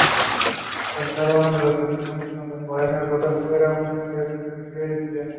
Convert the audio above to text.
Por cuenta de los testimonios contemporáneos, Rodolfo era un entusiasta pupilo y estudiante.